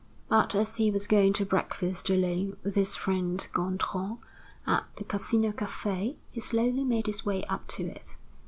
But as he was going to breakfast alone with his friend Gontran at the Casino Café, he slowly made his way up to it.